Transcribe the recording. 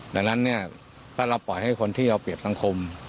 ดังนั้นเนี่ยถ้าเราปล่อยให้คนที่เอาเปรียบสังคม